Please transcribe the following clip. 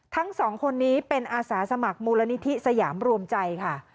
ทั้งสองคนนี้เป็นอาสาสมัครมูลนิธิสยามรวมใจค่ะ